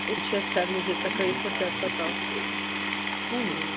Tuto transparentnost požadují jak finanční trhy, tak občané.